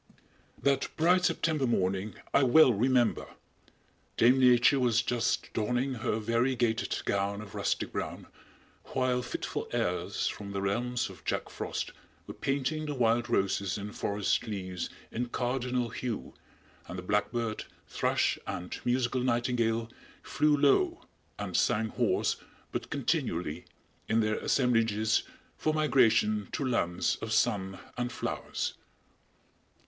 That bright September morning I well remember! Dame Nature was just donning her variegated gown of rustic brown, while fitful airs from the realms of Jack Frost were painting the wild roses and forest leaves in cardinal hue, and the blackbird, thrush and musical nightingale flew low and sang hoarse, but continually, in their assemblages for migration to lands of sun and flowers.